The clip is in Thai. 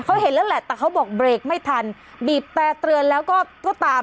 เขาเห็นแล้วแหละแต่เขาบอกเบรกไม่ทันบีบแต่เตือนแล้วก็ก็ตาม